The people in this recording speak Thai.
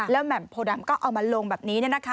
แหม่มโพดำก็เอามาลงแบบนี้